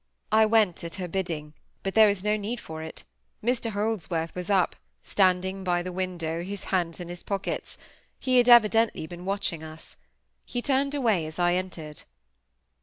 I went at her bidding; but there was no need for it. Mr Holdsworth was up, standing by the window, his hands in his pockets; he had evidently been watching us. He turned away as I entered.